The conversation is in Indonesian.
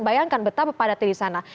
bayangkan betapa padatnya di sana